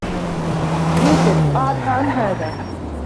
يوسف أعرض عن هذا